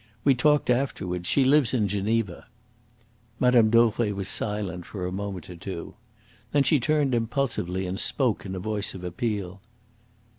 We talked afterwards. She lives in Geneva." Mme. Dauvray was silent for a moment or two. Then she turned impulsively and spoke in a voice of appeal.